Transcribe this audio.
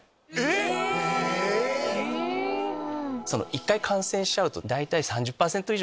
１回感染しちゃうと。